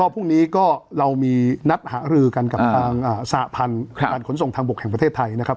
พรุ่งนี้ก็เรามีนัดหารือกันกับทางสหพันธ์การขนส่งทางบกแห่งประเทศไทยนะครับ